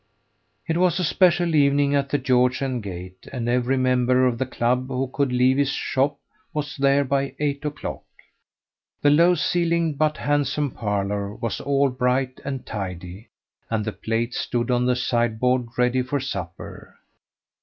It was a special evening at the "George and Gate," and every member of the club who could leave his shop was there by eight o'clock. The low ceilinged but handsome parlour was all bright and tidy, and the plates stood on a sideboard ready for supper.